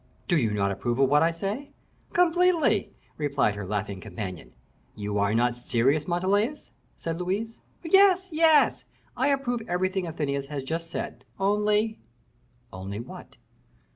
"Do you not approve of what I say?" "Completely," replied her laughing companion. "You are not serious, Montalais?" said Louise. "Yes, yes; I approve everything Athenais has just said; only " "Only _what?